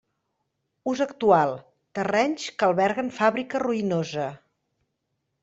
Ús actual: terrenys que alberguen fàbrica ruïnosa.